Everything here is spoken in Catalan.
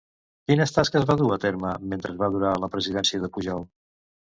Quines tasques va dur a terme mentre va durar la presidència de Pujol?